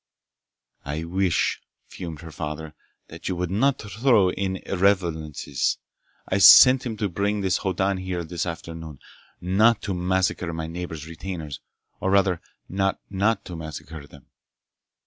"I wish," fumed her father, "that you would not throw in irrelevances! I sent him to bring this Hoddan here this afternoon, not to massacre my neighbors' retainers—or rather, not to not massacre them.